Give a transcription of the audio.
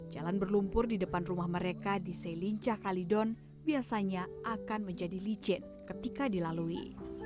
jalan berlumpur di depan rumah mereka di selincah kalidon biasanya akan menjadi licin ketika dilalui